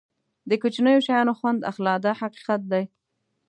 د کوچنیو شیانو خوند اخله دا حقیقت دی.